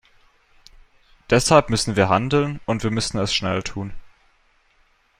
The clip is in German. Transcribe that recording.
Deshalb müssen wir handeln, und wir müssen es schnell tun.